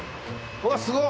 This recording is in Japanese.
うわ、すごっ。